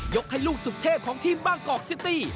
ให้ลูกสุดเทพของทีมบางกอกซิตี้